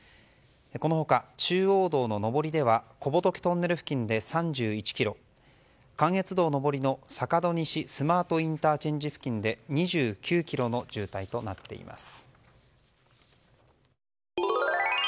この他、中央道の上りでは小仏トンネル付近で３１ｋｍ関越道上りの坂戸西スマートＩＣ付近で２９ｋｍの渋滞となっています。